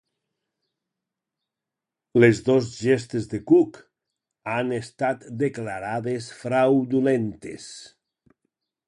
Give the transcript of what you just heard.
Les dos gestes de Cook han estat declarades fraudulentes.